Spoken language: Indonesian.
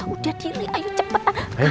udah diri ayo cepetan